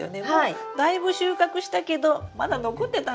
だいぶ収穫したけどまだ残ってたんだ。